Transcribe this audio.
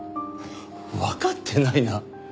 わかってないな。